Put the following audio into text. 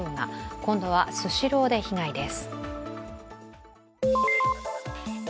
今度はスシローで被害です。